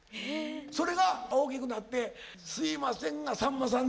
それが大きくなって「すいませんがさんまさんで」って言うてくれた。